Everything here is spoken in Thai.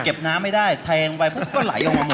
น้ำไม่ได้เทลงไปปุ๊บก็ไหลออกมาหมด